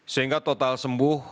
sehingga total sembuh